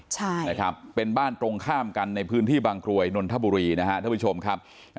ใช่นะครับเป็นบ้านตรงข้ามกันในพื้นที่บางกรวยนนทบุรีนะฮะท่านผู้ชมครับ